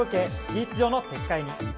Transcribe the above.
事実上の撤回に。